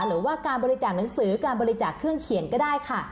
หรือว่าการบริจาคหนังสือการบริจาคเครื่องเขียนก็ได้ค่ะ